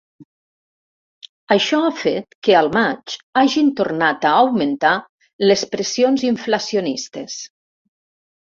Això ha fet que al maig hagin tornat a augmentar les pressions inflacionistes.